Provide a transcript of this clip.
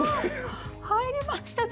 入りました先生！